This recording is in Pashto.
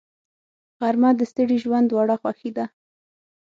غرمه د ستړي ژوند وړه خوښي ده